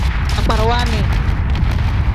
Agbarawa nni.